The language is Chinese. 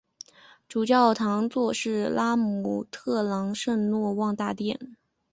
主教座堂是拉特朗圣若望大殿。